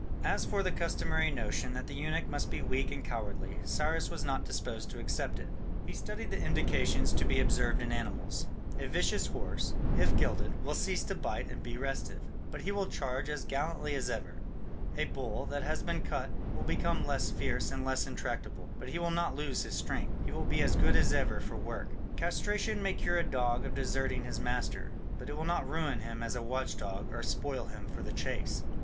As for the customary notion that the eunuch must be weak and cowardly, Cyrus was not disposed to accept it. He studied the indications to be observed in animals: a vicious horse, if gelded, will cease to bite and be restive, but he will charge as gallantly as ever; a bull that has been cut will become less fierce and less intractable, but he will not lose his strength, he will be as good as ever for work; castration may cure a dog of deserting his master, but it will not ruin him as a watch dog or spoil him for the chase.